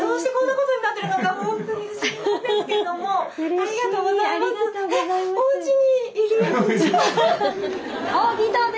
ありがとうございます。